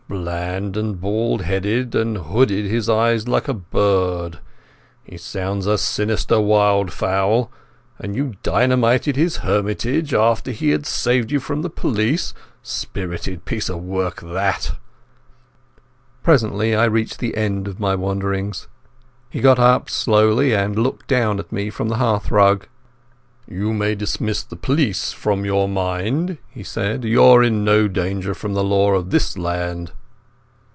"Bland and bald headed and hooded his eyes like a bird.... He sounds a sinister wild fowl! And you dynamited his hermitage, after he had saved you from the police. Spirited piece of work, that!" Presently I reached the end of my wanderings. He got up slowly, and looked down at me from the hearthrug. "You may dismiss the police from your mind," he said. "You're in no danger from the law of this land."